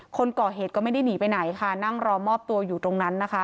คนก่อเหตุก็ไม่ได้หนีไปไหนค่ะนั่งรอมอบตัวอยู่ตรงนั้นนะคะ